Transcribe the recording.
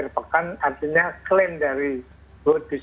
pertama ini susah